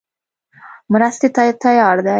مرستې ته تیار دی.